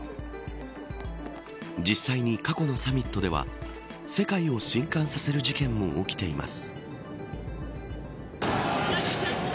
実際に過去のサミットでは世界を震撼させる事件も起きています。